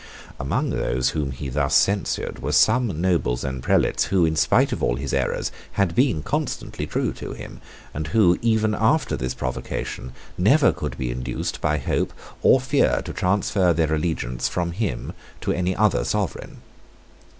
Among those whom he thus censured were some nobles and prelates who, in spite of all his errors, had been constantly true to him, and who, even after this provocation, never could be induced by hope or fear to transfer their allegiance from him to any other sovereign.